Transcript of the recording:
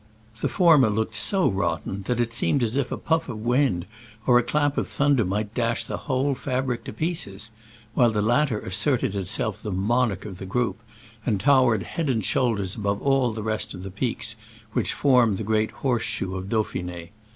The former looked so rotten that it seemed as if a puff of wind or a clap of thunder might dash the whole fabric to pieces, while the latter asserted itself the monarch of the group, and towered head and shoulders above all the rest of the peaks which form the great horse shoe of Dauphine.